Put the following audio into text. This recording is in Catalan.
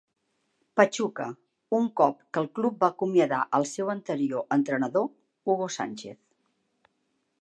Pachuca, un cop que el club va acomiadar el seu anterior entrenador, Hugo Sánchez.